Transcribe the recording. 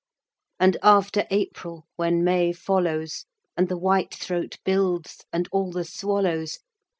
And after April, when May follows, And the whitethroat builds, and all the swallows!